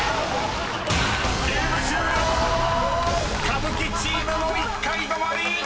［歌舞伎チームも１階止まり！］